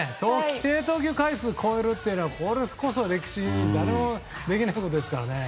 規定投球回数を超えるというのはこれこそ歴史で誰もできてないことですからね。